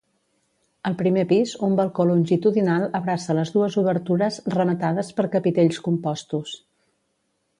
Al primer pis un balcó longitudinal abraça les dues obertures rematades per capitells compostos.